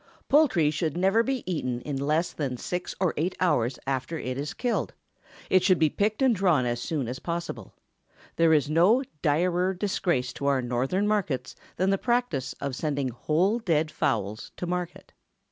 Poultry should never be eaten in less than six or eight hours after it is killed; but it should be picked and drawn as soon as possible. There is no direr disgrace to our Northern markets than the practice of sending whole dead fowls to market.